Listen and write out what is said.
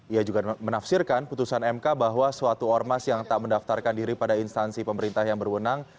ia juga menafsirkan putusan mk bahwa suatu ormas yang tak mendaftarkan diri pada instansi pemerintah yang berwenang